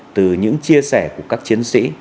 từ những chia sẻ của các chiến sĩ